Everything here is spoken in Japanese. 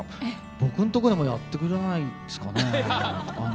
僕のところでもやってくれないですかね。